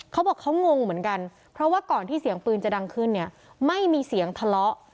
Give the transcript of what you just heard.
เขาบอกเขางงเหมือนกันเพราะว่าก่อนที่เสียงปืนจะดังขึ้นเนี่ยไม่มีเสียงทะเลาะ